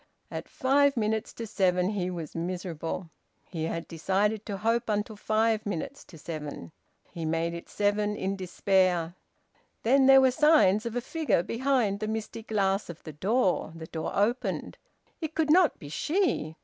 At five minutes to seven he was miserable: he had decided to hope until five minutes to seven. He made it seven in despair. Then there were signs of a figure behind the misty glass of the door. The door opened. It could not be she!